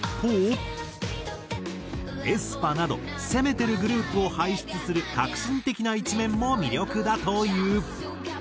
ａｅｓｐａなど攻めてるグループを輩出する革新的な一面も魅力だという。